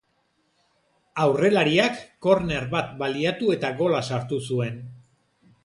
Aurrelariak korner bat baliatu eta gola sartu zuen.